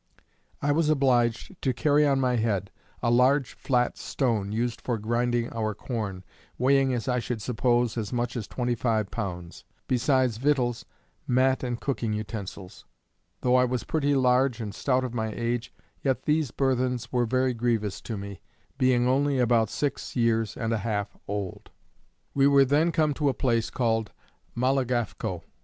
I was obliged to carry on my head a large flat stone used for grinding our corn, weighing as I should suppose, as much as 25 pounds; besides victuals, mat and cooking utensils. Though I was pretty large and stout of my age, yet these burthens were very grievous to me, being only about six years and a half old. We were then come to a place called Malagafco.